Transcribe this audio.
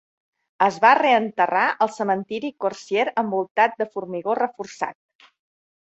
Es va reenterrar al cementiri Corsier envoltat de formigó reforçat.